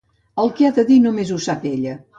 El que ha de dir només ho sap ella.